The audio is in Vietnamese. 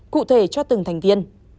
cụ thể cho từng thành viên